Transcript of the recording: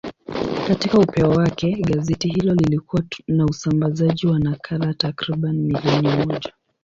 Katika upeo wake, gazeti hilo lilikuwa na usambazaji wa nakala takriban milioni moja.